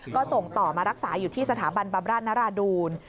ก็ส่งต่อมารักษาอยู่ที่สถาบันบำราชนราดูล